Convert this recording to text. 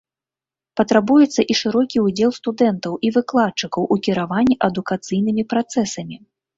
Патрабуецца і шырокі ўдзел студэнтаў і выкладчыкаў у кіраванні адукацыйнымі працэсамі.